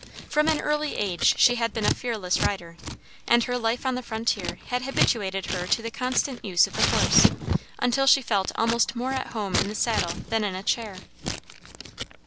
From an early age she had been a fearless rider, and her life on the frontier had habituated her to the constant use of the horse until she felt almost more at home in the saddle than in a chair.